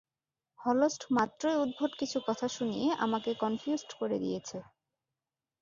হলস্ট মাত্রই উদ্ভট কিছু কথা শুনিয়ে আমাকে কনফিউজড করে দিয়েছে।